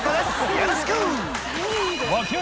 よろしく！